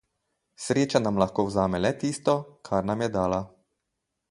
Sreča nam lahko vzame le tisto, kar nam je dala.